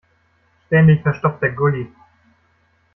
Ständig verstopft der Gully.